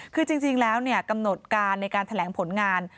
คือจริงแล้วกำหนดการในการแถลงผลงาน